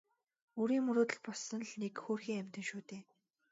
Үрийн мөрөөдөл болсон л нэг хөөрхий амьтан шүү дээ.